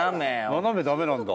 斜め駄目なんだ。